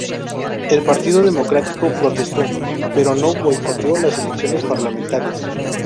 El Partido Democrático protestó, pero no boicoteó las elecciones parlamentarias.